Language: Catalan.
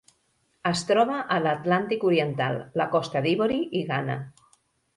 Es troba a l'Atlàntic oriental: la Costa d'Ivori i Ghana.